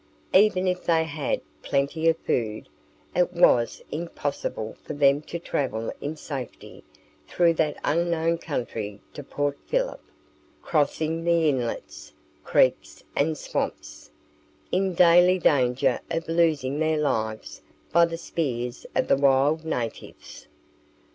Even if they had plenty of food, it was impossible for them to travel in safety through that unknown country to Port Phillip, crossing the inlets, creeks, and swamps, in daily danger of losing their lives by the spears of the wild natives.